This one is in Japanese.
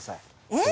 えっ？